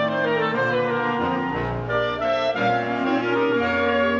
สวัสดีครับสวัสดีครับ